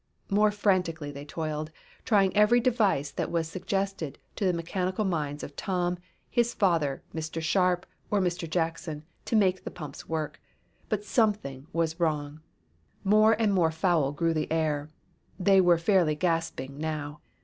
More frantically they toiled, trying every device that was suggested to the mechanical minds of Tom, his father, Mr. Sharp or Mr. Jackson, to make the pumps work. But something was wrong. More and more foul grew the air. They were fairly gasping now.